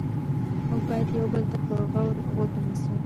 موږ باید یو بل ته په غور غوږ ونیسو